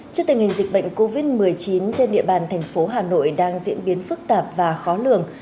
trước tình hình dịch bệnh covid một mươi chín trên địa bàn thành phố hà nội đang diễn biến phức tạp và khó lường